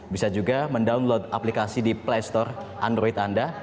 bisa juga mendownload aplikasi di playstore android anda